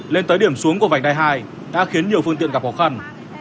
lên tới điểm xuống của vành đai hai đã khiến nhiều phương tiện gặp khó khăn